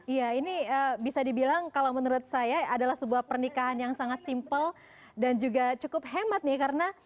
iya ini bisa dibilang kalau menurut saya adalah sebuah pernikahan yang sangat simpel dan juga cukup hemat nih karena